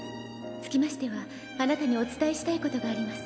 「つきましてはあなたにお伝えしたいことがあります」